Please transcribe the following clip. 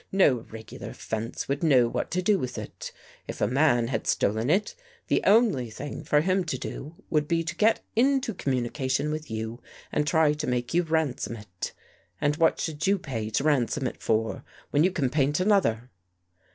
No regular fence would know what to do with it. If a man had stolen it, the only thing for him to do would be to get into communication with you and try to make you ran som it. And what should you pay money to ran som it for, when you can paint another?"